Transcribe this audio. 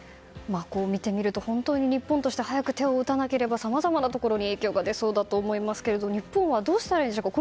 こう見てみると本当に日本として早く手を打たなければさまざまなところに影響が出そうだと思いますが日本はどうしたらいいでしょうか。